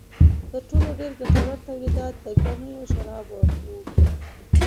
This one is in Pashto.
تر ټولو ډېر ګټور تولیدات د ګنیو شراب و.